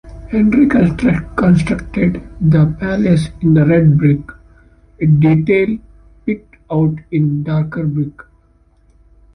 Henry constructed the palace in red brick, with detail picked out in darker brick.